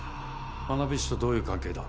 花火師とどういう関係だ？